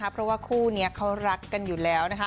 เพราะว่าคู่นี้เขารักกันอยู่แล้ว